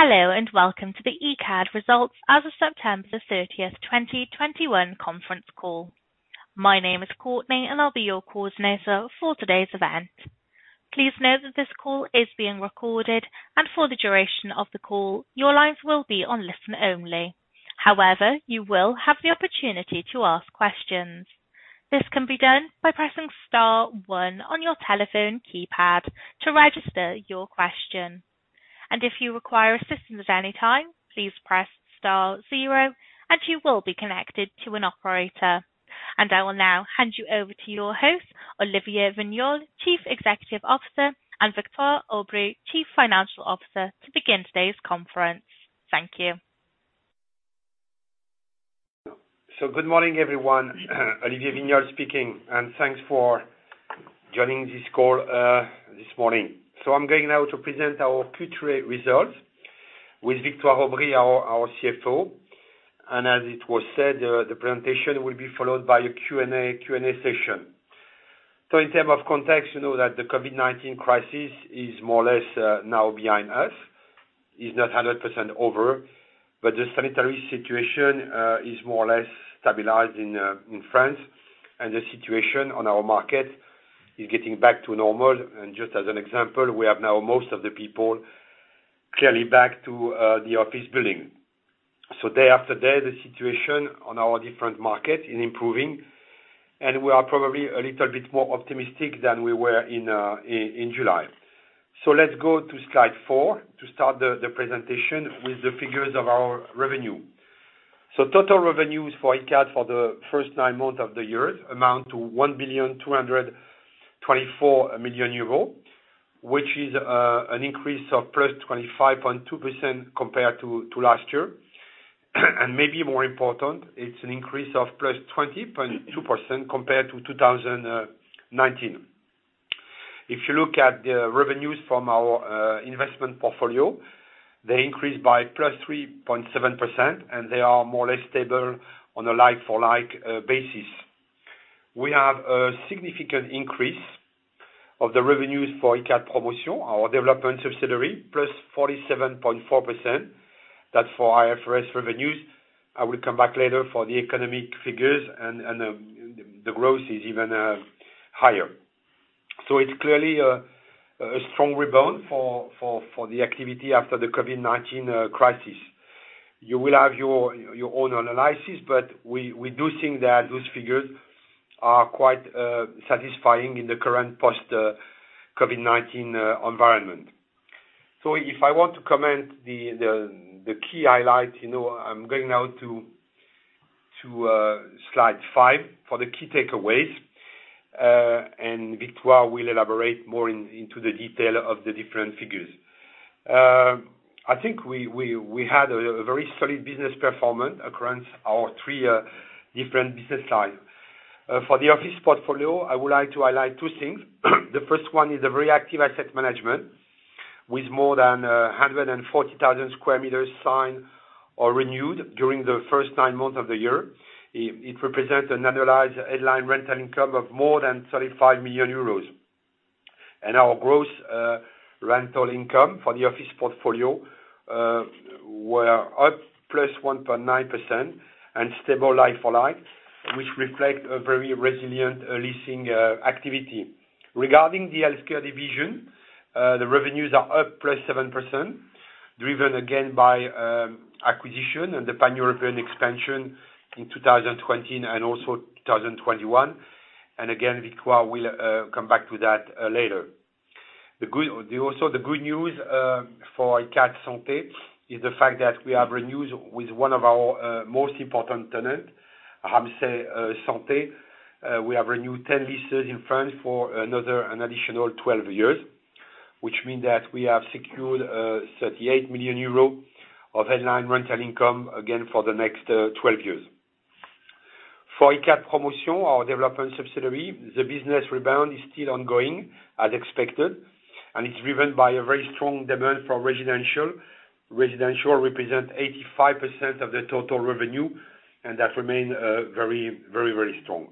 Hello, welcome to the ICADE results as of September 30th, 2021 conference call. My name is Courtney, and I'll be your coordinator for today's event. Please note that this call is being recorded, and for the duration of the call, your lines will be on listen only. However, you will have the opportunity to ask questions. This can be done by pressing star one on your telephone keypad to register your question. If you require assistance at any time, please press star zero and you will be connected to an operator. I will now hand you over to your host, Olivier Wigniolle, Chief Executive Officer, and Victoire Aubry, Chief Financial Officer, to begin today's conference. Thank you. Good morning, everyone. Olivier Wigniolle speaking, and thanks for joining this call this morning. I'm going now to present our Q3 results with Victoire Aubry, our CFO. As it was said, the presentation will be followed by a Q&A session. In terms of context, you know that the COVID-19 crisis is more or less now behind us. It's not 100% over, but the sanitary situation is more or less stabilized in France, and the situation on our market is getting back to normal. Just as an example, we have now most of the people clearly back to the Office building. Day after day, the situation on our different markets is improving, and we are probably a little bit more optimistic than we were in July. Let's go to slide four to start the presentation with the figures of our revenue. Total revenues for ICADE for the first nine months of the year amount to 1.224 billion, which is an increase of +25.2% compared to last year. Maybe more important, it's an increase of +20.2% compared to 2019. If you look at the revenues from our investment portfolio, they increased by +3.7%, and they are more or less stable on a like-for-like basis. We have a significant increase of the revenues for ICADE Promotion, our development subsidiary, +47.4%. That's for IFRS revenues. I will come back later for the economic figures. The growth is even higher. It's clearly a strong rebound for the activity after the COVID-19 crisis. You will have your own analysis. We do think that those figures are quite satisfying in the current post-COVID-19 environment. If I want to comment the key highlights, I'm going now to slide five for the key takeaways, and Victoire will elaborate more into the detail of the different figures. I think we had a very solid business performance across our three different business lines. For the Office portfolio, I would like to highlight two things. The first one is the very active asset management with more than 140,000 sq m signed or renewed during the nine months of the year. It represents an annualized headline rental income of more than 35 million euros. Our gross rental income for the Office portfolio were up +1.9% and stable like for like, which reflect a very resilient leasing activity. Regarding the Healthcare division, the revenues are up +7%, driven again by acquisition and the pan-European expansion in 2020 and also 2021. Again, Victoire will come back to that later. The good news for ICADE Santé is the fact that we have renewed with one of our most important tenant, Ramsay Santé. We have renewed 10 leases in France for another, an additional 12 years, which mean that we have secured 38 million euros of headline rental income again for the next 12 years. For ICADE Promotion, our development subsidiary, the business rebound is still ongoing as expected, and it's driven by a very strong demand for Residential. Residential represents 85% of the total revenue, that remain very strong.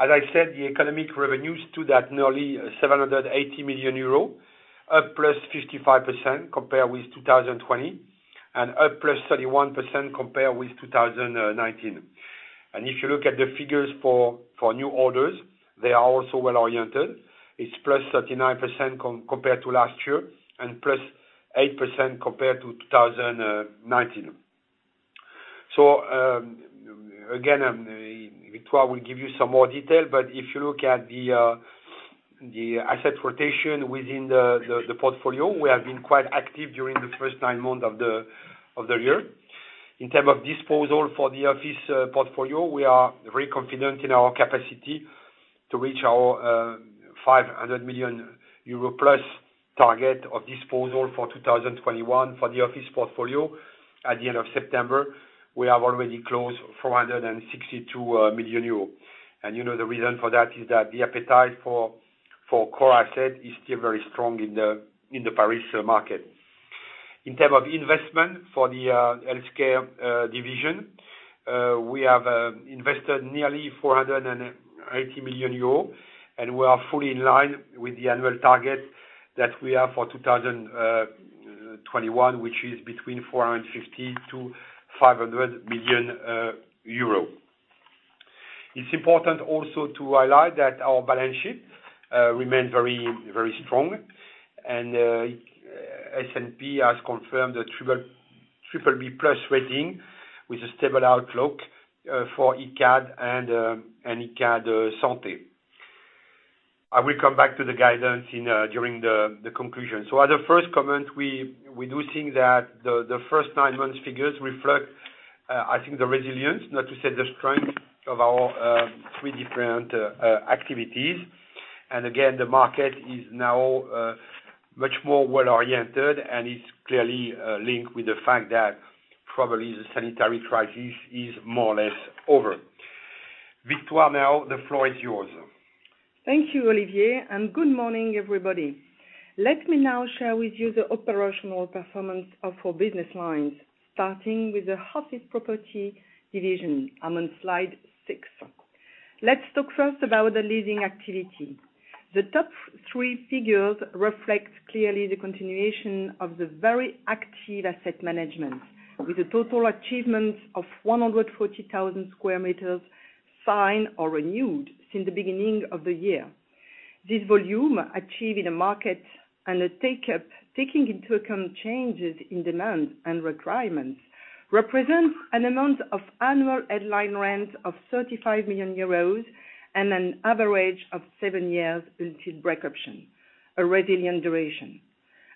As I said, the economic revenues stood at nearly 780 million euro, up +55% compared with 2020, up +31% compared with 2019. If you look at the figures for new orders, they are also well-oriented. It's +39% compared to last year and +8% compared to 2019. Again, Victoire will give you some more detail, but if you look at the asset rotation within the portfolio, we have been quite active during the first nine months of the year. In terms of disposal for the Office portfolio, we are very confident in our capacity to reach our 500 million euro plus target of disposal for 2021 for the Office portfolio. At the end of September, we have already closed 462 million euros. You know the reason for that is that the appetite for core asset is still very strong in the Paris market. In terms of investment for the Healthcare division, we have invested nearly 480 million euros and we are fully in line with the annual target that we have for 2021, which is between 450 million-500 million euro. It is important also to highlight that our balance sheet remains very strong, and S&P has confirmed the BBB+ rating with a stable outlook for ICADE and ICADE Santé. I will come back to the guidance during the conclusion. As a first comment, we do think that the first nine months figures reflect, I think, the resilience, not to say the strength, of our three different activities. Again, the market is now much more well-oriented, and is clearly linked with the fact that probably the sanitary crisis is more or less over. Victoire, now, the floor is yours. Thank you, Olivier. Good morning, everybody. Let me now share with you the operational performance of our business lines, starting with the Office property division. I'm on slide six. Let's talk first about the leasing activity. The top three figures reflect clearly the continuation of the very active asset management, with a total achievement of 140,000 sq m signed or renewed since the beginning of the year. This volume achieved in the market and the take-up, taking into account changes in demand and requirements, represents an amount of annual headline rents of 35 million euros and an average of seven years until break option, a resilient duration.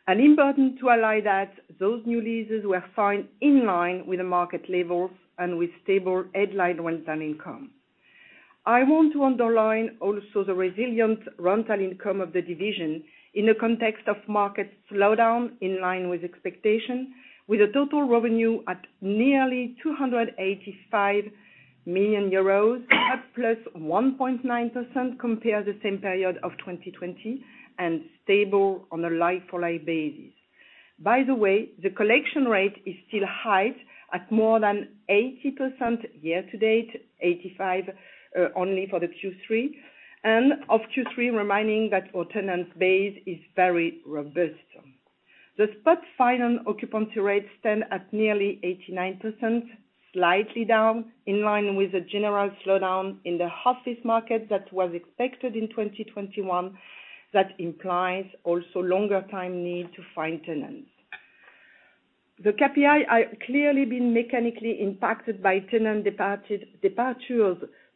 Important to highlight that those new leases were signed in line with the market levels and with stable headline rental income. I want to underline also the resilient rental income of the division in the context of market slowdown in line with expectation, with a total revenue at nearly 285 million euros, up +1.9% compared the same period of 2020, and stable on a like-for-like basis. By the way, the collection rate is still high at more than 80% year-to-date, 85% only for the Q3. Of Q3, reminding that our tenant base is very robust. The spot final occupancy rates stand at nearly 89%, slightly down, in line with the general slowdown in the Office market that was expected in 2021. That implies also longer time need to find tenants. The KPIs have clearly been mechanically impacted by tenant departures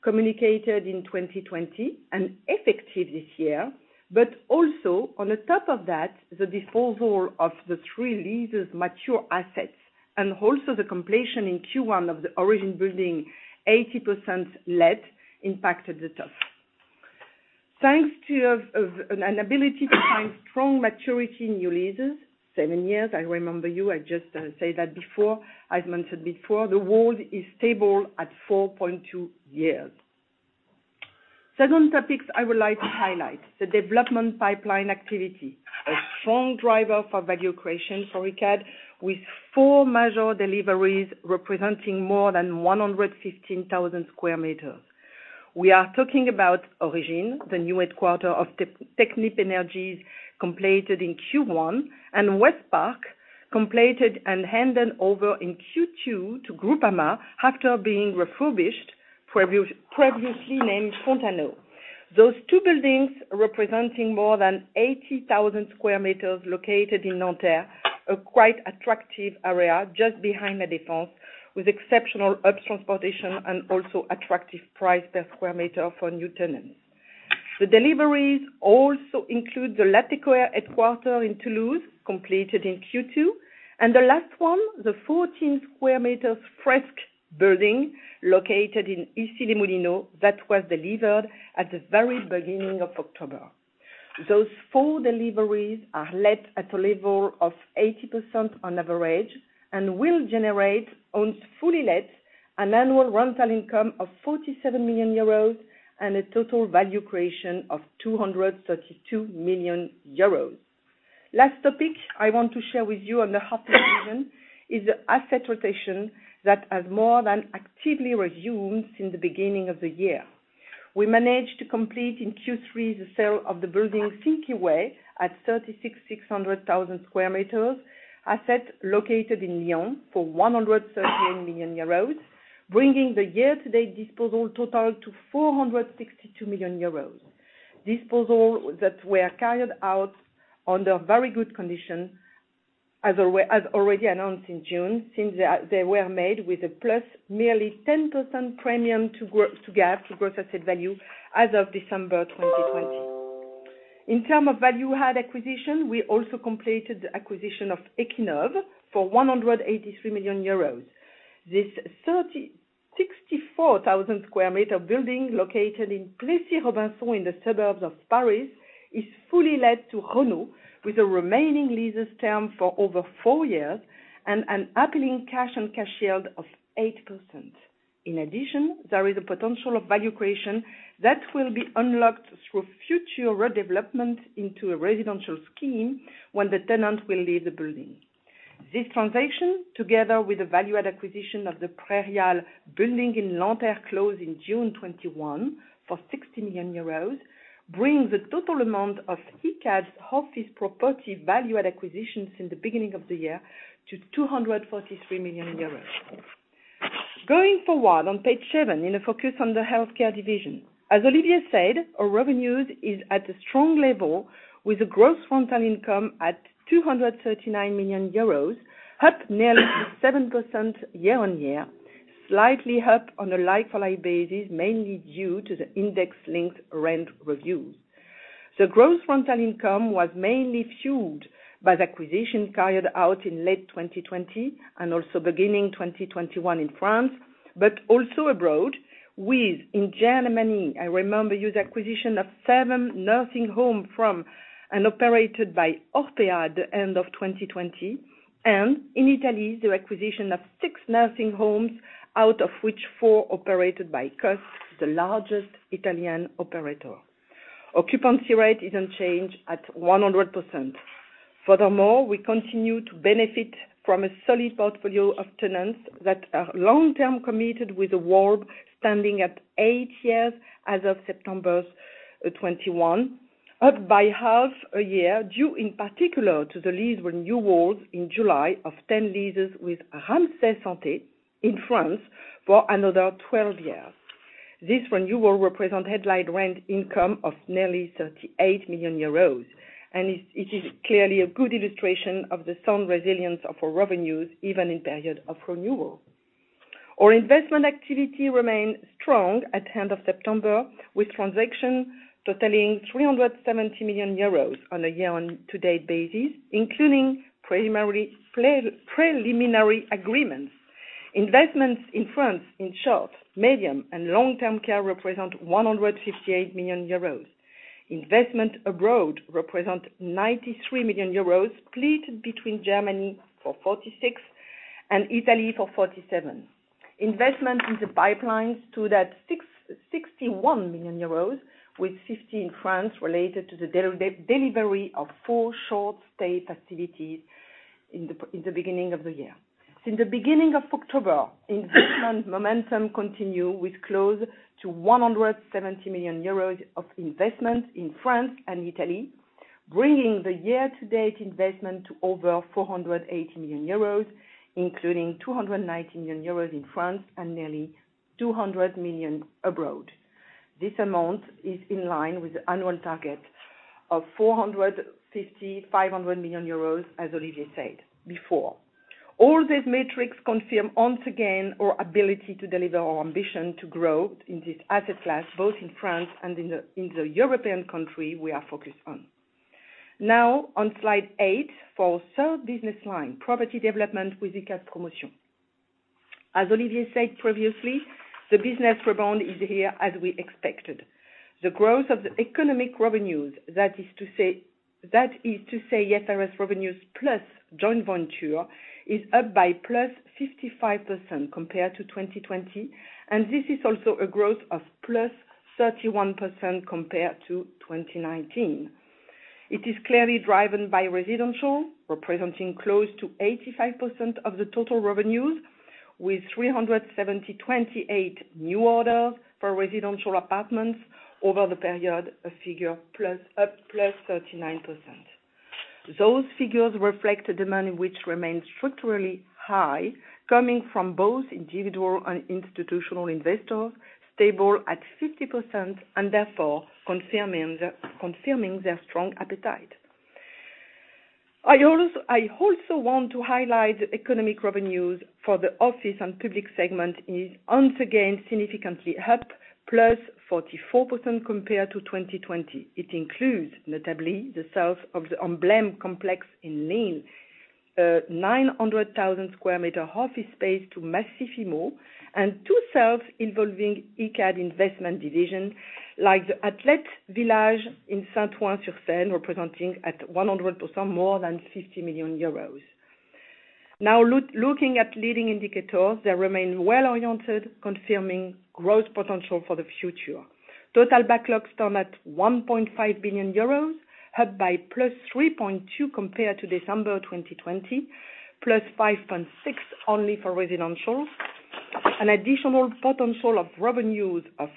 communicated in 2020 and effective this year, but also on the top of that, the disposal of the three leases mature assets, and also the completion in Q1 of the Origine building, 80% let, impacted the TAF. Thanks to an ability to find strong maturity in new leases, seven years, I remember you, I just said that before. As mentioned before, the WAL is stable at 4.2 years. Second topic I would like to highlight, the development pipeline activity. A strong driver for value creation for ICADE, with four major deliveries representing more than 115,000 sq m. We are talking about Origine, the new headquarters of Technip Energies, completed in Q1, and West park, completed and handed over in Q2 to Groupama after being refurbished, previously named Fontanot. Those two buildings, representing more than 80,000 sq m located in Nanterre, a quite attractive area just behind La Défense, with exceptional transportation and also attractive price per sq m for new tenants. The deliveries also include the Latécoère headquarter in Toulouse, completed in Q2, and the last one, the 14 sq m FRESK building located in Issy-les-Moulineaux, that was delivered at the very beginning of October. Those four deliveries are let at a level of 80% on average and will generate, once fully let, an annual rental income of 47 million euros and a total value creation of 232 million euros. Last topic I want to share with you on the Office division is the asset rotation that has more than actively resumed since the beginning of the year. We managed to complete in Q3 the sale of the building Silky Way at 36,600,000 sq m, asset located in Lyon, for 138 million euros, bringing the year-to-date disposal total to 462 million euros. Disposal that were carried out under very good condition, as already announced in June, since they were made with a plus merely 10% premium to GAV, to gross asset value, as of December 2020. In terms of value-add acquisition, we also completed the acquisition of Equinove for 183 million euros. This 64,000 sq m building located in Claye-Souilly in the suburbs of Paris, is fully let to Renault, with a remaining leases term for over four years and an appealing cash on cash yield of 8%. In addition, there is a potential of value creation that will be unlocked through future redevelopment into a Residential scheme when the tenant will leave the building. This transaction, together with the value add acquisition of the Le Prairial building in Nanterre closed in June 2021 for 60 million euros, brings the total amount of ICADE's Office property value add acquisitions in the beginning of the year to 243 million euros. Going forward on page seven, in a focus on the Healthcare division. As Olivier Wigniolle said, our revenues is at a strong level, with a gross rental income at 239 million euros, up nearly 7% year-on-year, slightly up on a like-for-like basis, mainly due to the index-linked rent reviews. The gross rental income was mainly fueled by the acquisition carried out in late 2020, and also beginning 2021 in France, but also abroad with, in Germany, I remember, the acquisition of seven nursing homes from and operated by Orpea at the end of 2020, and in Italy, the acquisition of six nursing homes, out of which four operated by COOP, the largest Italian operator. Occupancy rate is unchanged at 100%. Furthermore, we continue to benefit from a solid portfolio of tenants that are long-term committed with the WAL standing at eight years as of September 2021, up by half a year, due in particular to the lease renewals in July of 10 leases with Ramsay Santé in France for another 12 years. This renewal represent headline rent income of nearly 38 million euros, and it is clearly a good illustration of the sound resilience of our revenues, even in period of renewal. Our investment activity remained strong at the end of September, with transaction totaling 370 million euros on a year-to-date basis, including preliminary agreements. Investments in France in short, medium, and long-term care represent 158 million euros. Investment abroad represent 93 million euros, split between Germany for 46 million and Italy for 47 million. Investment in the pipelines stood at 61 million euros, with 15 million France related to the delivery of four short stay facilities in the beginning of the year. Since the beginning of October, investment momentum continue with close to 170 million euros of investments in France and Italy, bringing the year-to-date investment to over 480 million euros, including 219 million euros in France and nearly 200 million abroad. This amount is in line with the annual target of 450 million-500 million euros, as Olivier said before. All these metrics confirm once again our ability to deliver our ambition to grow in this asset class, both in France and in the European country we are focused on. Now on slide eight for third business line, property development with ICADE Promotion. As Olivier said previously, the business rebound is here as we expected. The growth of the economic revenues, that is to say, IFRS revenues plus joint venture, is up by +55% compared to 2020, and this is also a growth of +31% compared to 2019. It is clearly driven by Residential, representing close to 85% of the total revenues, with 378 new orders for Residential apartments over the period figure up +39%. Those figures reflect the demand which remains structurally high, coming from both individual and institutional investors, stable at 50%, and therefore confirming their strong appetite. I also want to highlight the economic revenues for the Office and Public segment is once again significantly up, +44% compared to 2020. It includes, notably, the sales of the Emblem complex in Lille, 900,000 sq m Office space to MACIFIMO, and two sales involving ICADE investment division, like the Outlet Village in Saint-Ouen-sur-Seine, representing at 100% more than 50 million euros. Looking at leading indicators, they remain well-oriented, confirming growth potential for the future. Total backlogs stand at 1.5 billion euros, up by +3.2% compared to December 2020, +5.6% only for Residential. An additional potential of revenues of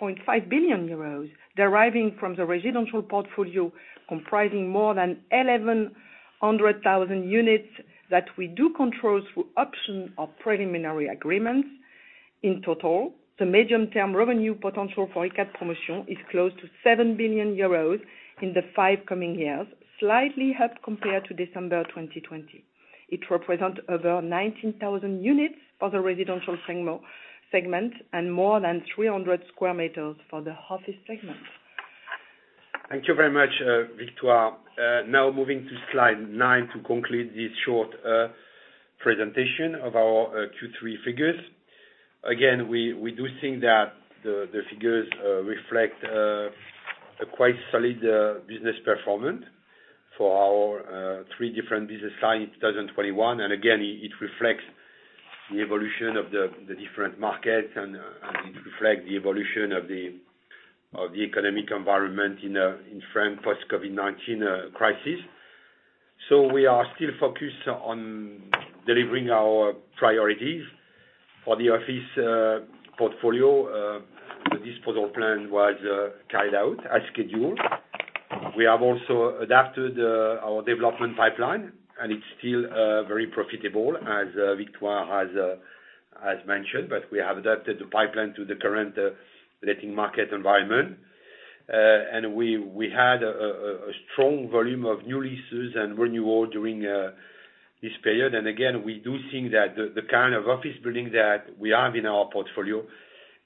2.5 billion euros deriving from the Residential portfolio comprising more than 1,100,000 units that we do control through option of preliminary agreements. In total, the medium-term revenue potential for ICADE Promotion is close to 7 billion euros in the five coming years, slightly up compared to December 2020. It represent over 19,000 units for the Residential segment and more than 300 sq m for the Office segment. Thank you very much, Victoire. Moving to slide nine to conclude this short presentation of our Q3 figures. We do think that the figures reflect a quite solid business performance for our three different business lines, 2021. It reflects the evolution of the different markets, and it reflects the evolution of the economic environment in France post-COVID-19 crisis. We are still focused on delivering our priorities. For the Office portfolio, the disposal plan was carried out as scheduled. We have also adapted our development pipeline, and it's still very profitable, as Victoire has mentioned. We have adapted the pipeline to the current letting market environment. We had a strong volume of new leases and renewal during this period. Again, we do think that the kind of Office building that we have in our portfolio,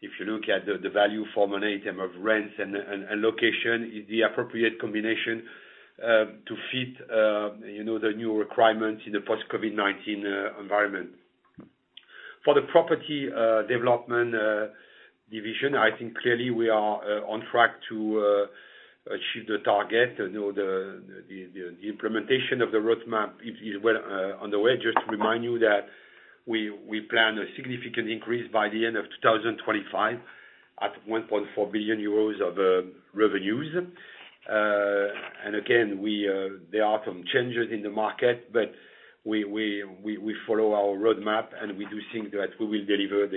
if you look at the value from an item of rents and location, is the appropriate combination to fit the new requirements in the post-COVID-19 environment. For the property development division, I think clearly we are on track to achieve the target. The implementation of the roadmap is well on the way. Just to remind you that we plan a significant increase by the end of 2025 at 1.4 billion euros of revenues. Again, there are some changes in the market, but we follow our roadmap, and we do think that we will deliver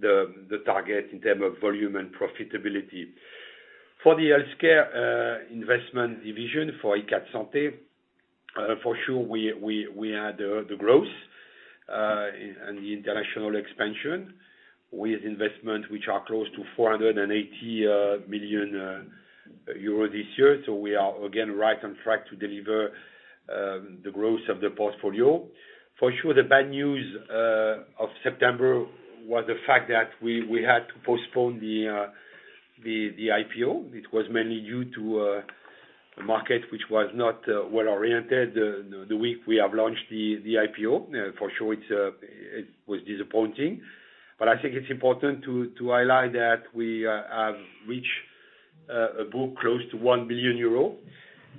the target in terms of volume and profitability. For the Healthcare investment division, for ICADE Santé, for sure, we had the growth and the international expansion with investment, which are close to 480 million euros this year. We are again right on track to deliver the growth of the portfolio. The bad news of September was the fact that we had to postpone the IPO. It was mainly due to a market which was not well-oriented the week we have launched the IPO. It was disappointing. I think it's important to highlight that we have reached a book close to 1 billion euro,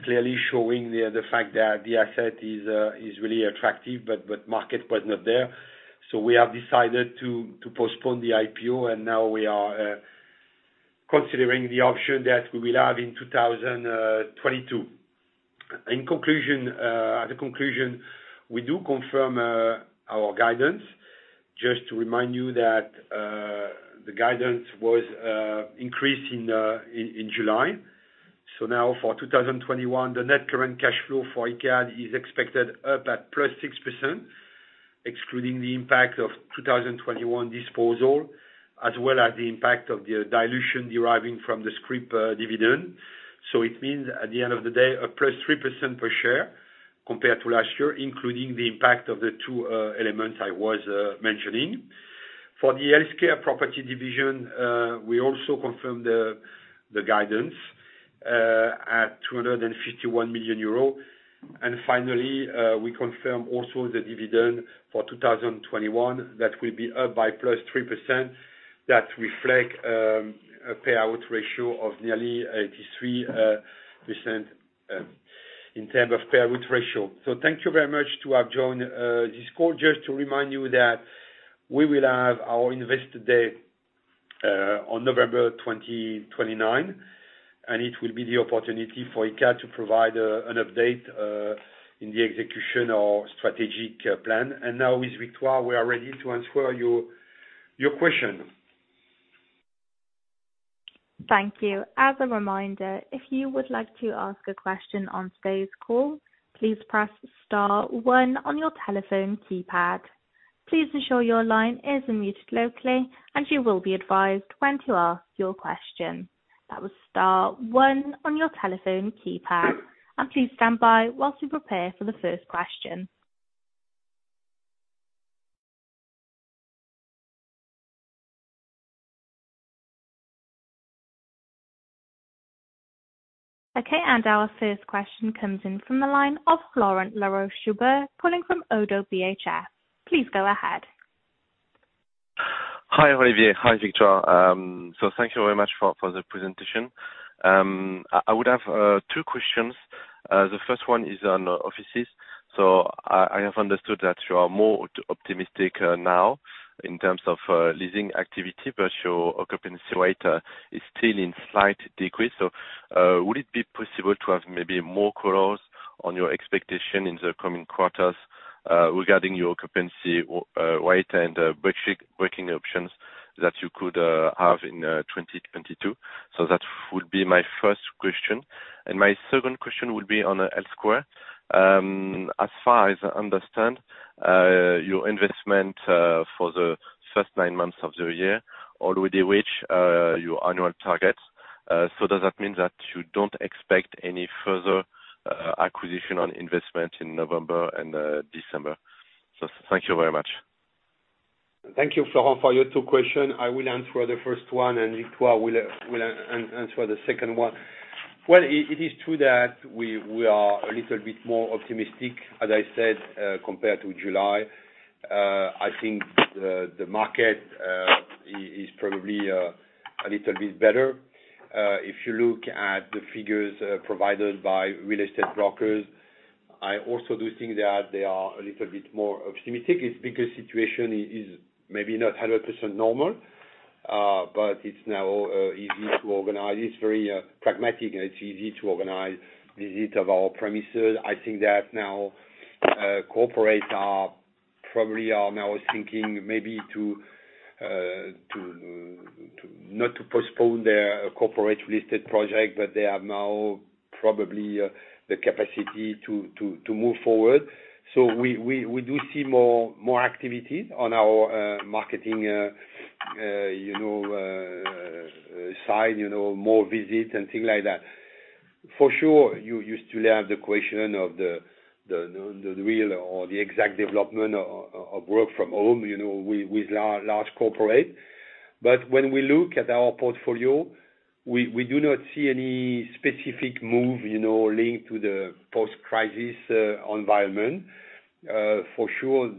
clearly showing the fact that the asset is really attractive, but market was not there. We have decided to postpone the IPO, and now we are considering the option that we will have in 2022. As a conclusion, we do confirm our guidance. Just to remind you that the guidance was increased in July. Now for 2021, the net current cash flow for ICADE is expected up at +6%, excluding the impact of 2021 disposal, as well as the impact of the dilution deriving from the scrip dividend. It means, at the end of the day, a +3% per share compared to last year, including the impact of the two elements I was mentioning. For the Healthcare property division, we also confirmed the guidance at 251 million euro. Finally, we confirm also the dividend for 2021 that will be up by +3%. That reflects a payout ratio of nearly 83% in terms of payout ratio. Thank you very much to have joined this call. Just to remind you that we will have our Investor Day on November 29, and it will be the opportunity for ICADE to provide an update in the execution of strategic plan. Now with Victoire, we are ready to answer your questions. Thank you. As a reminder, if you would like to ask a question on today's call, please press star one on your telephone keypad. Please ensure your line is unmuted locally, and you will be advised when to ask your question. That was star one on your telephone keypad, and please stand by while we prepare for the first question. Okay, our first question comes in from the line of Florent Laroche-Joubert calling from ODDO BHF. Please go ahead. Hi, Olivier. Hi, Victoire. Thank you very much for the presentation. I would have two questions. The first one is on Offices. I have understood that you are more optimistic now in terms of leasing activity, but your occupancy rate is still in slight decrease. Would it be possible to have maybe more colors on your expectation in the coming quarters, regarding your occupancy rate and breaking options that you could have in 2022? That would be my first question. My second question would be on Healthcare. As far as I understand, your investment, for the first nine months of the year, already reached your annual target. Does that mean that you don't expect any further acquisition on investment in November and December? Thank you very much. Thank you, Florent, for your two questions. I will answer the first one, and Victoire will answer the second one. It is true that we are a little bit more optimistic, as I said, compared to July. I think the market is probably a little bit better. If you look at the figures provided by real estate brokers, I also do think that they are a little bit more optimistic. It's because the situation is maybe not 100% normal, but it's now easy to organize. It's very pragmatic, and it's easy to organize visits of our premises. I think that now corporates are probably now thinking maybe not to postpone their corporate real estate project, but they have now probably the capacity to move forward. We do see more activities on our marketing side, more visits and things like that. You still have the question of the real or the exact development of work from home with large corporate. When we look at our portfolio, we do not see any specific move linked to the post-crisis environment.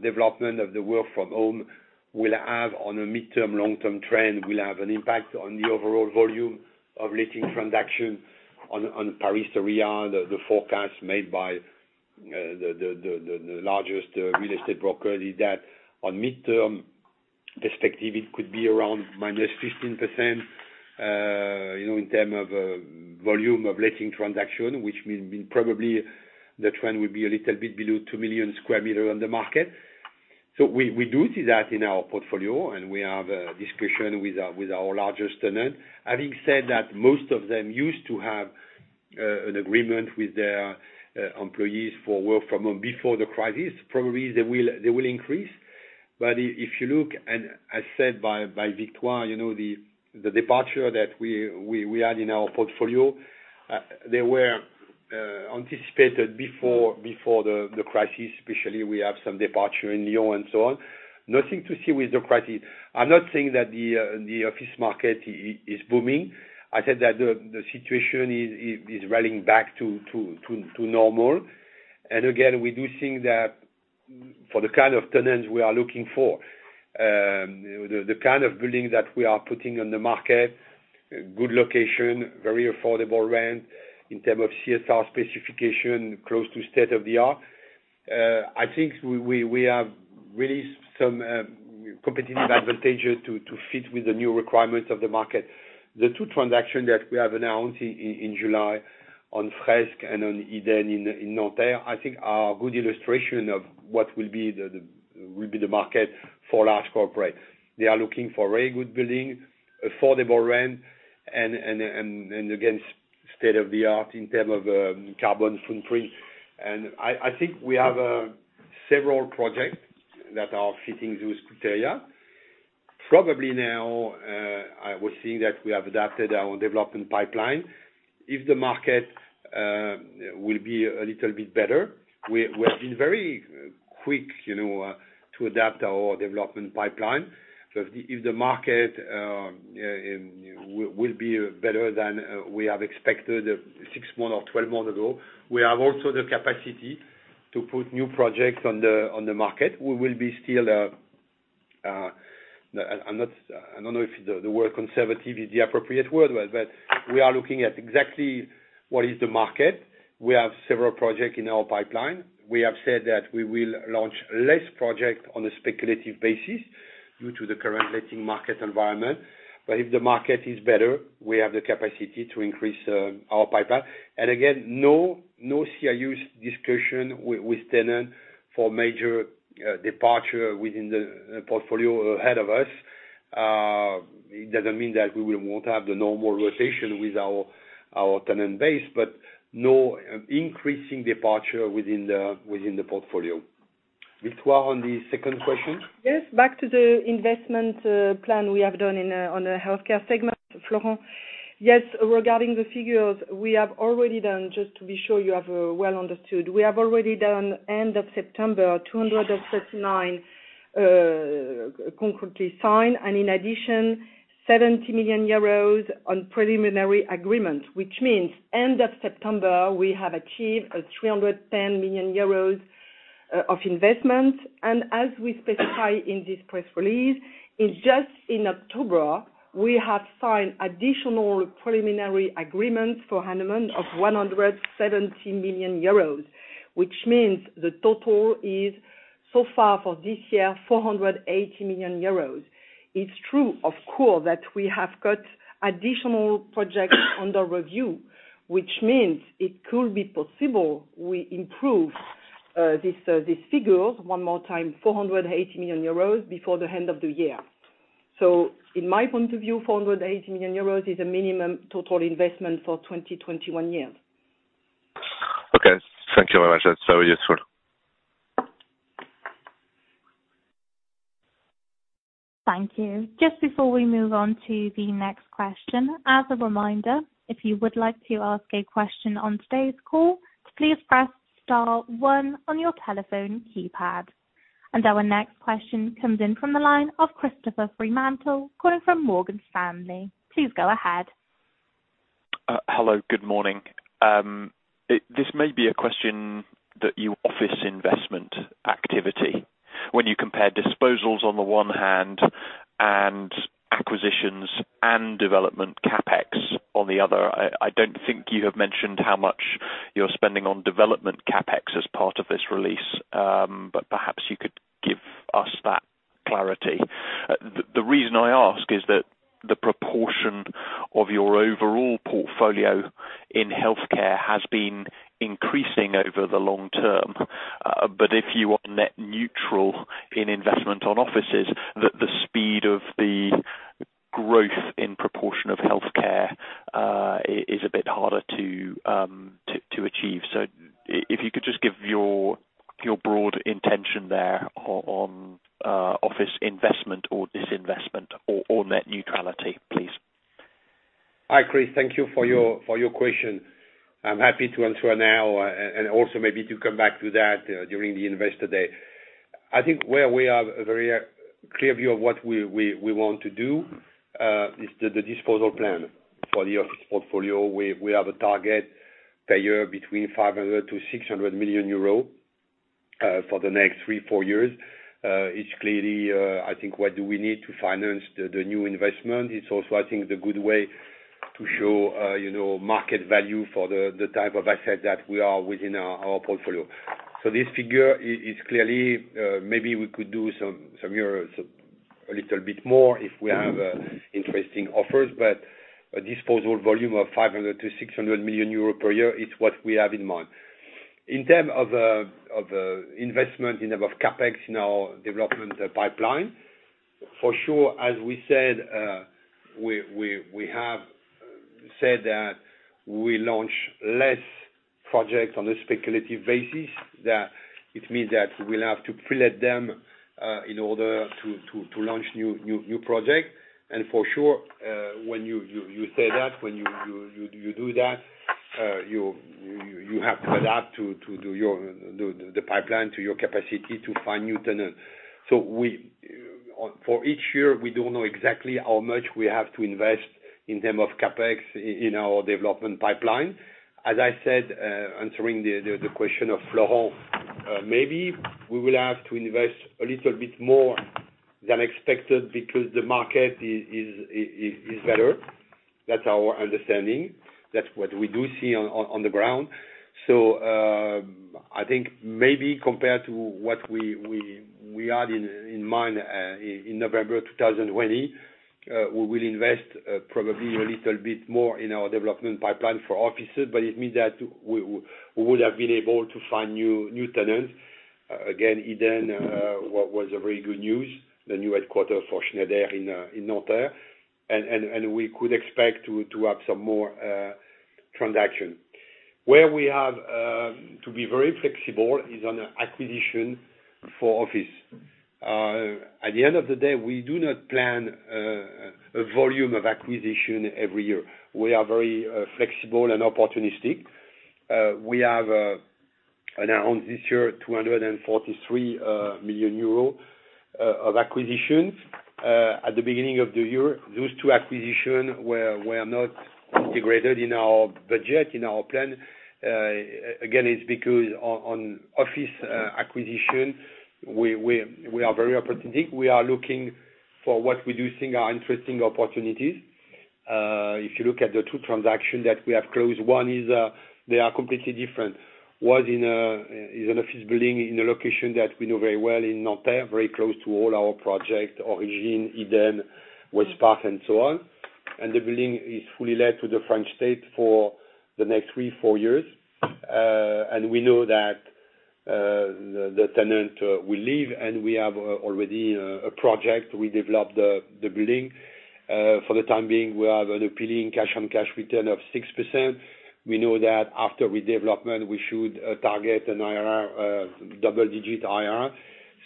Development of the work from home will have, on a midterm, long-term trend, will have an impact on the overall volume of leasing transaction on Paris. The forecast made by the largest real estate broker is that on midterm perspective, it could be around minus 15%, in term of volume of leasing transaction, which means probably the trend will be a little bit below 2 million sq m on the market. We do see that in our portfolio, and we have a discussion with our largest tenant. Having said that, most of them used to have an agreement with their employees for work from home before the crisis. Probably they will increase. If you look, and as said by Victoire, the departure that we had in our portfolio, they were anticipated before the crisis, especially we have some departure in Lyon and so on. Nothing to see with the crisis. I'm not saying that the Office market is booming. I said that the situation is rallying back to normal. Again, we do think that for the kind of tenants we are looking for, the kind of building that we are putting on the market, good location, very affordable rent in term of CSR specification, close to state of the art. I think we have really some competitive advantages to fit with the new requirements of the market. The two transactions that we have announced in July on FRESK and on Edenn in Nanterre, I think are a good illustration of what will be the market for large corporate. They are looking for very good building, affordable rent, again, state of the art in term of carbon footprint. I think we have several projects that are fitting those criteria. Probably now, we're seeing that we have adapted our development pipeline. If the market will be a little bit better, we have been very quick to adapt our development pipeline. If the market will be better than we have expected six months or 12 months ago, we have also the capacity to put new projects on the market. We will be still, I don't know if the word conservative is the appropriate word, we are looking at exactly what is the market. We have several projects in our pipeline. We have said that we will launch less project on a speculative basis due to the current letting market environment. If the market is better, we have the capacity to increase our pipeline. Again, no CRUs discussion with tenant for major departure within the portfolio ahead of us. It doesn't mean that we won't have the normal rotation with our tenant base, but no increasing departure within the portfolio. Victoire, on the second question. Back to the investment plan we have done on the Healthcare segment, Florent. Regarding the figures, we have already done end of September, 239 concretely signed. In addition, 70 million euros on preliminary agreement, which means end of September, we have achieved a 310 million euros of investment. As we specify in this press release, in October, we have signed additional preliminary agreements for an amount of 170 million euros, which means the total is, so far for this year, 480 million euros. It's true, of course, that we have got additional projects under review, which means it could be possible we improve this figure, one more time, 480 million euros, before the end of the year. In my point of view, 480 million euros is a minimum total investment for 2021 year. Okay. Thank you very much. That's very useful. Thank you. Just before we move on to the next question, as a reminder, if you would like to ask a question on today's call, please press star one on your telephone keypad. Our next question comes in from the line of Christopher Fremantle calling from Morgan Stanley. Please go ahead. Hello, good morning. This may be a question that you Office investment activity, when you compare disposals on the one hand, and acquisitions and development CapEx on the other. I don't think you have mentioned how much you're spending on development CapEx as part of this release, but perhaps you could give us that clarity. The reason I ask is that the proportion of your overall portfolio in Healthcare has been increasing over the long term. If you are net neutral in investment on Offices, the speed of the growth in proportion of Healthcare, is a bit harder to achieve. If you could just give your broad intention there on Office investment or disinvestment or net neutrality, please. Hi, Chris. Thank you for your question. I'm happy to answer now, and also maybe to come back to that during the Investor Day. I think where we have a very clear view of what we want to do, is the disposal plan for the Office portfolio. We have a target per year between 500 million-600 million euro for the next three, four years. It's clearly I think what do we need to finance the new investment. It's also, I think, the good way to show market value for the type of asset that we are within our portfolio. This figure is clearly, maybe we could do a little bit more if we have interesting offers, but a disposal volume of 500 million-600 million euros per year is what we have in mind. In terms of investment, in terms of CapEx in our development pipeline, for sure, as we have said that we launch less projects on a speculative basis, that it means that we'll have to pre-let them, in order to launch new project. For sure, when you do that, you have to adapt the pipeline to your capacity to find new tenants. For each year, we don't know exactly how much we have to invest in terms of CapEx in our development pipeline. As I said, answering the question of Florent, maybe we will have to invest a little bit more than expected because the market is better. That's our understanding. That's what we do see on the ground. I think maybe compared to what we had in mind in November 2020, we will invest probably a little bit more in our development pipeline for Offices, but it means that we would have been able to find new tenants. Again, Edenn, what was a very good news, the new headquarter for Schneider in Nanterre, and we could expect to have some more transaction. Where we have to be very flexible is on acquisition for Office. At the end of the day, we do not plan a volume of acquisition every year. We are very flexible and opportunistic. We have announced this year 243 million euro of acquisitions. At the beginning of the year, those two acquisitions were not integrated in our budget, in our plan. Again, it's because on Office acquisition, we are very opportunistic. We are looking for what we do think are interesting opportunities. If you look at the two transactions that we have closed, they are completely different. One is an Office building in a location that we know very well in Nanterre, very close to all our project, Origine, Edenn, West Park, and so on. The building is fully let to the French state for the next three, four years. We know that the tenant will leave, and we have already a project. We develop the building. For the time being, we have an appealing cash-on-cash return of 6%. We know that after redevelopment, we should target a double-digit IRR.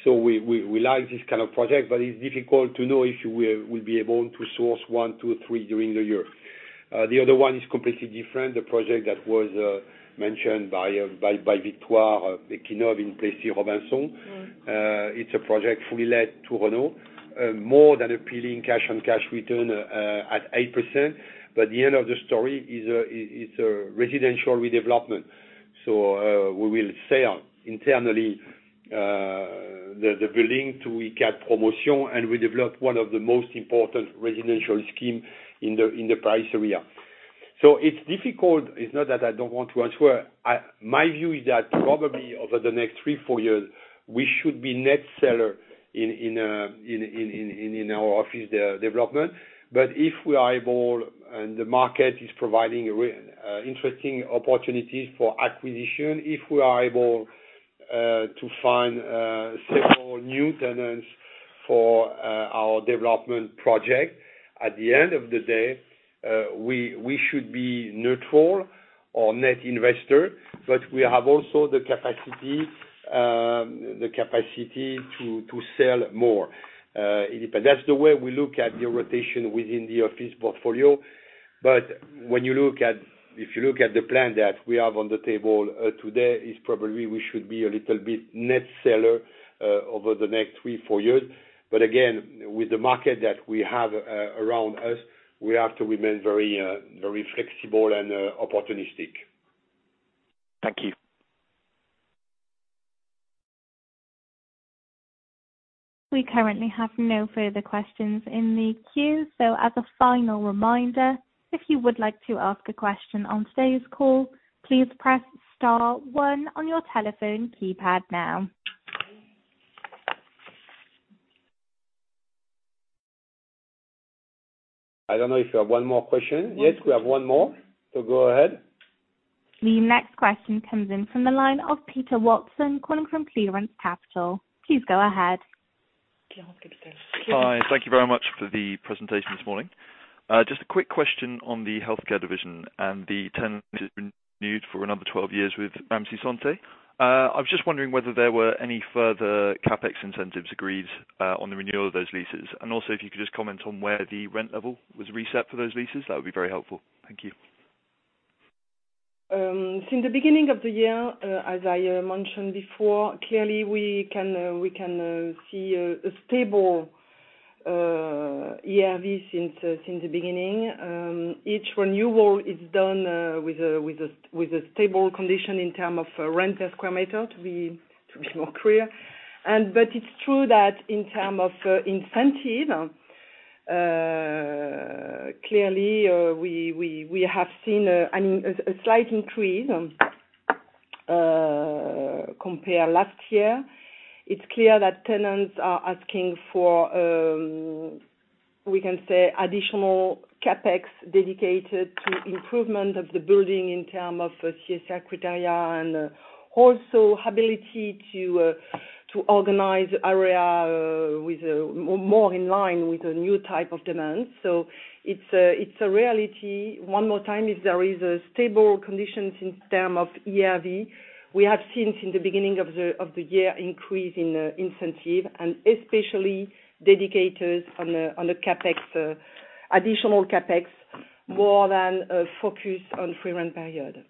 We like this kind of project, but it's difficult to know if we'll be able to source one, two, three during the year. The other one is completely different. The project that was mentioned by Victoire, Equinove in Plessis-Robinson. It's a project fully let to Renault, more than appealing cash-on-cash return at 8%. The end of the story it's a Residential redevelopment. We will sell internally the building to ICADE Promotion and redevelop one of the most important Residential scheme in the Paris area. It's difficult, it's not that I don't want to answer. My view is that probably over the next three, four years, we should be net seller in our Office development. If we are able and the market is providing interesting opportunities for acquisition, if we are able to find several new tenants for our development project, at the end of the day, we should be neutral or net investor. We have also the capacity to sell more. That's the way we look at the rotation within the Office portfolio. If you look at the plan that we have on the table today, it's probably we should be a little bit net seller over the next three, four years. Again, with the market that we have around us, we have to remain very flexible and opportunistic. Thank you. We currently have no further questions in the queue. I don't know if you have one more question? Yes, we have one more. Go ahead. The next question comes in from the line of [Peter Watson] calling from Clarence Capital. Please go ahead. Hi. Thank you very much for the presentation this morning. Just a quick question on the Healthcare division and the tenant renewed for another 12 years with Ramsay Santé. I was just wondering whether there were any further CapEx incentives agreed on the renewal of those leases. Also, if you could just comment on where the rent level was reset for those leases, that would be very helpful. Thank you. Since the beginning of the year, as I mentioned before, clearly we can see a stable ERV since the beginning. Each renewal is done with a stable condition in term of rent per square meter, to be more clear. It's true that in term of incentive, clearly, we have seen a slight increase compare last year. It's clear that tenants are asking for, we can say, additional CapEx dedicated to improvement of the building in term of CSR criteria and also ability to organize area more in line with the new type of demands. It's a reality. One more time, if there is a stable condition in term of ERV, we have seen since the beginning of the year increase in incentive, and especially dedicated on additional CapEx, more than a focus on free rent period.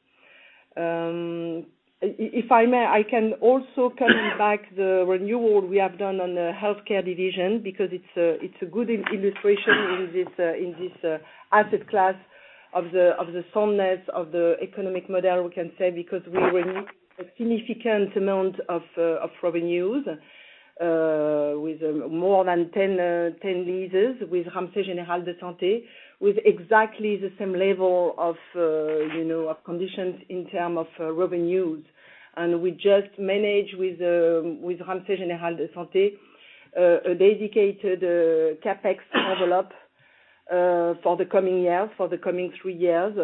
If I may, I can also coming back the renewal we have done on the Healthcare division because it's a good illustration in this asset class of the soundness of the economic model, we can say, because we renew a significant amount of revenues, with more than 10 leases with Ramsay Générale de Santé, with exactly the same level of conditions in terms of revenues. We just manage with Ramsay Générale de Santé, a dedicated CapEx envelope for the coming three years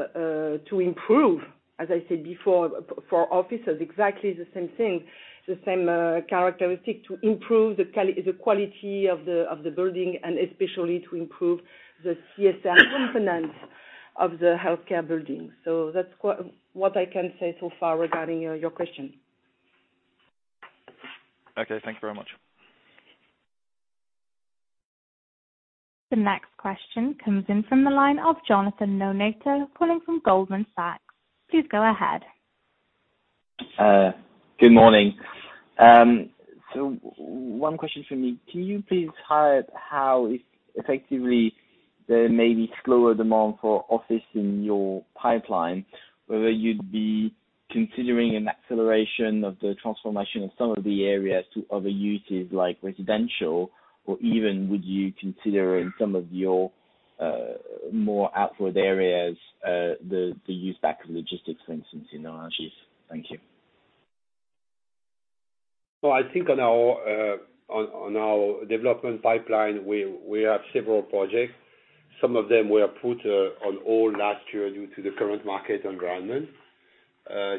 to improve, as I said before, for Offices, exactly the same thing, the same characteristic to improve the quality of the building and especially to improve the CSR component of the Healthcare building. That's what I can say so far regarding your question. Okay, thank you very much. The next question comes in from the line of Jonathan Kownator calling from Goldman Sachs. Please go ahead. Good morning. One question from me. Can you please highlight how, if effectively there may be slower demand for Office in your pipeline, whether you'd be considering an acceleration of the transformation of some of the areas to other uses like Residential, or even would you consider in some of your more outward areas, the use back logistics, for instance, in Arches? Thank you. I think on our development pipeline, we have several projects. Some of them were put on hold last year due to the current market environment,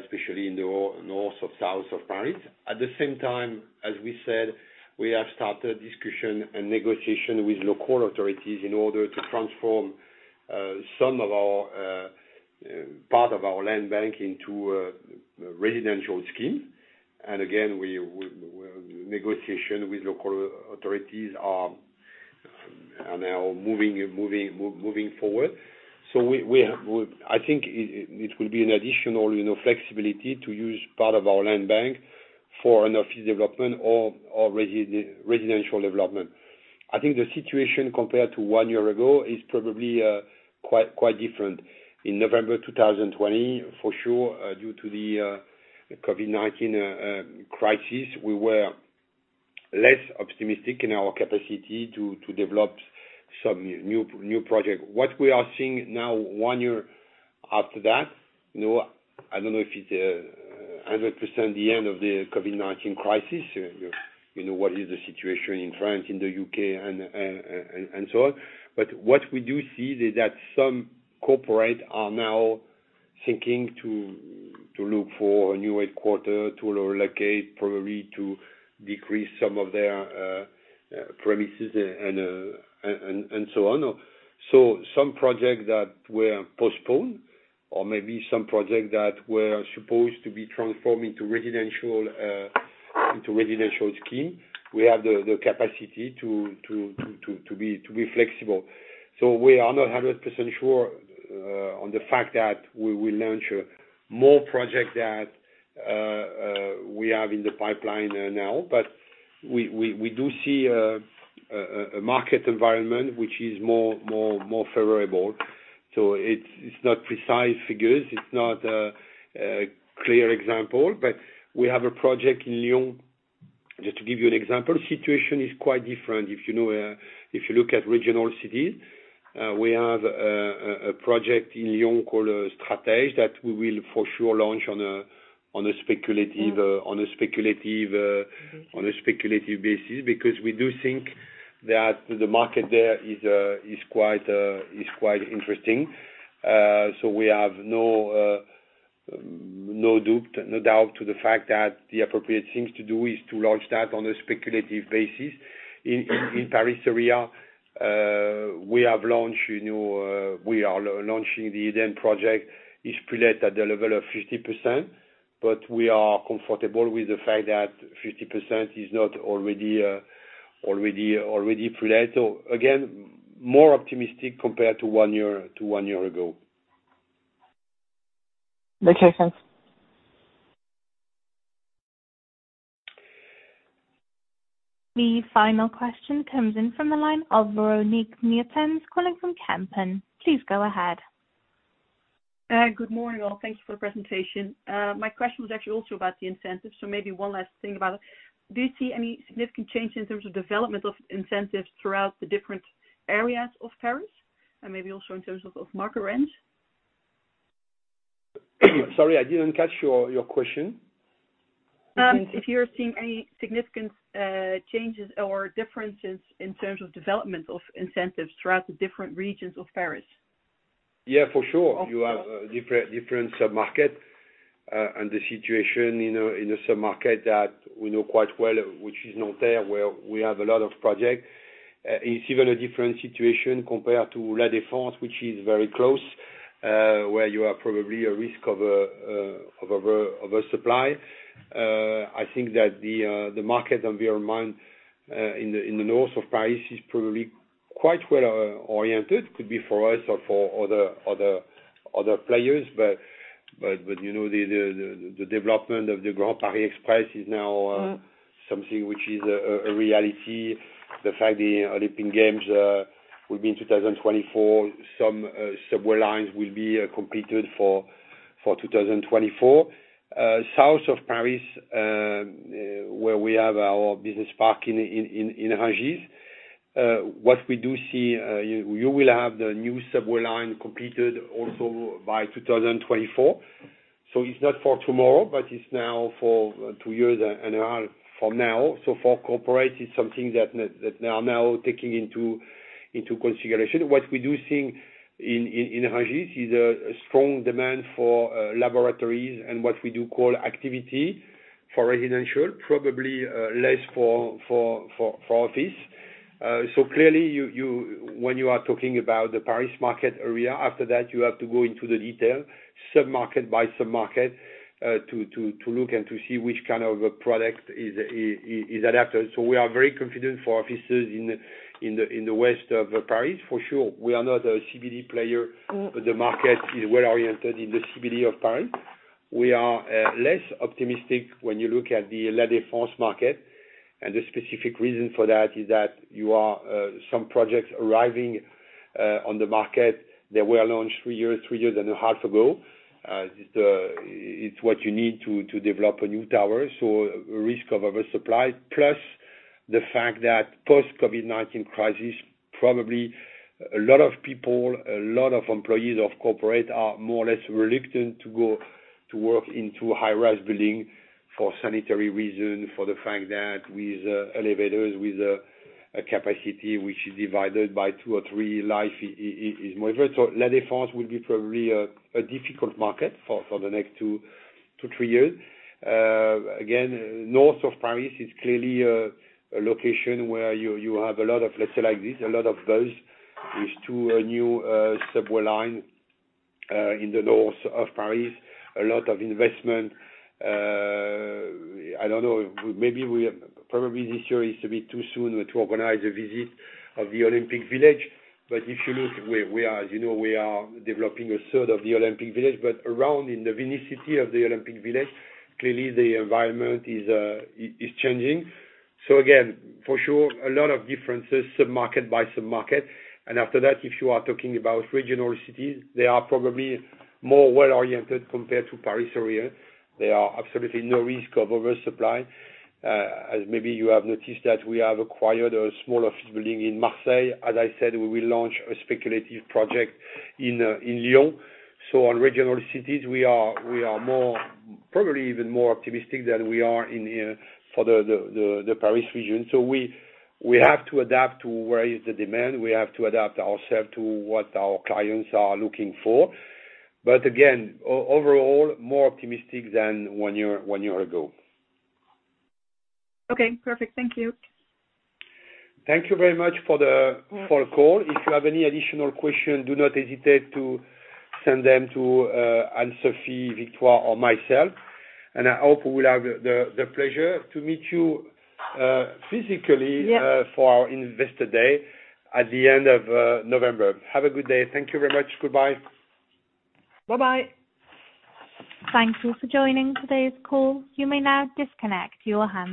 especially in the north or south of Paris. At the same time, as we said, we have started discussion and negotiation with local authorities in order to transform part of our land bank into a Residential scheme. Again, negotiation with local authorities are now moving forward. I think it will be an additional flexibility to use part of our land bank for an Office development or Residential development. I think the situation compared to one year ago is probably quite different. In November 2020, for sure, due to the COVID-19 crisis, we were less optimistic in our capacity to develop some new project. What we are seeing now, one year after that, I don't know if it's 100% the end of the COVID-19 crisis, what is the situation in France, in the U.K., and so on. What we do see is that some corporate are now thinking to look for a new headquarter to relocate, probably to decrease some of their premises and so on. Some projects that were postponed, or maybe some projects that were supposed to be transformed into Residential scheme, we have the capacity to be flexible. We are not 100% sure on the fact that we will launch more projects that we have in the pipeline now. We do see a market environment which is more favorable. It's not precise figures, it's not a clear example, but we have a project in Lyon. Just to give you an example, situation is quite different if you look at regional cities. We have a project in Lyon called Stratégie that we will for sure launch on a speculative basis because we do think that the market there is quite interesting. We have no doubt to the fact that the appropriate thing to do is to launch that on a speculative basis. In Paris area, we are launching the Edenn project. It's prelet at the level of 50%, but we are comfortable with the fact that 50% is not already prelet. Again, more optimistic compared to one year ago. Okay, thanks. The final question comes in from the line of Véronique Meertens, calling from Kempen. Please go ahead. Good morning, all. Thank you for the presentation. My question was actually also about the incentives, so maybe one last thing about it. Do you see any significant change in terms of development of incentives throughout the different areas of Paris, and maybe also in terms of market rents? Sorry, I didn't catch your question. If you're seeing any significant changes or differences in terms of development of incentives throughout the different regions of Paris? Yeah, for sure. You have different submarket, and the situation in a submarket that we know quite well, which is Nanterre where we have a lot of projects. It's even a different situation compared to La Défense, which is very close, where you have probably a risk of oversupply. I think that the market environment in the north of Paris is probably quite well-oriented. Could be for us or for other players, the development of the Grand Paris Express is now something which is a reality. The fact the Olympic Games will be in 2024, some subway lines will be completed for 2024. South of Paris, where we have our business park in Rungis, what we do see, you will have the new subway line completed also by 2024. It's not for tomorrow, but it's now for two years and a half from now. For corporate, it's something that they are now taking into consideration. What we do think in Rungis is a strong demand for laboratories and what we do call activity for Residential, probably less for Office. Clearly, when you are talking about the Paris market area, after that, you have to go into the detail, sub-market by sub-market, to look and to see which kind of product is adapted. We are very confident for Offices in the west of Paris, for sure. We are not a CBD player, but the market is well-oriented in the CBD of Paris. We are less optimistic when you look at the La Défense market, and the specific reason for that is that you have some projects arriving on the market that were launched three years, three and a half years ago. It's what you need to develop a new tower, risk of oversupply. Plus the fact that post-COVID-19 crisis, probably a lot of people, a lot of employees of corporate are more or less reluctant to go to work into high-rise building for sanitary reasons, for the fact that with elevators, with a capacity which is divided by two or three, life is more difficult. La Défense will be probably a difficult market for the next two, three years. Again, north of Paris is clearly a location where you have a lot of, let's say like this, a lot of buzz. These two new subway line in the north of Paris, a lot of investment. I don't know, probably this year is a bit too soon to organize a visit of the Olympic Village. If you look, we are developing a third of the Olympic Village, but around in the vicinity of the Olympic Village, clearly the environment is changing. Again, for sure, a lot of differences, sub-market by sub-market. After that, if you are talking about regional cities, they are probably more well-oriented compared to Paris area. There are absolutely no risk of oversupply. As maybe you have noticed that we have acquired a small Office building in Marseille. As I said, we will launch a speculative project in Lyon. On regional cities, we are probably even more optimistic than we are for the Paris region. We have to adapt to where is the demand, we have to adapt ourselves to what our clients are looking for. Again, overall, more optimistic than one year ago. Okay, perfect. Thank you. Thank you very much for the call. If you have any additional questions, do not hesitate to send them to Anne-Sophie, Victoire, or myself. I hope we will have the pleasure to meet you physically for our Investor Day at the end of November. Have a good day. Thank you very much. Goodbye. Bye-bye. Thank you for joining today's call. You may now disconnect your handsets.